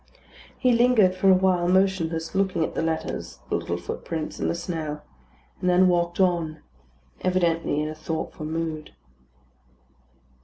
He lingered for awhile motionless, looking at the letters, the little footprints, and the snow; and then walked on, evidently in a thoughtful mood.